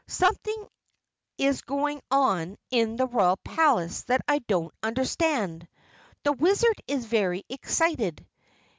"Something is going on in the Royal Palace that I don't understand. The Wizard is very excited.